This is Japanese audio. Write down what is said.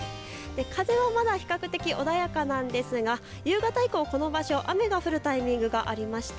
風はまだ比較的穏やかなんですが夕方以降、この場所、雨が降るタイミングがありました。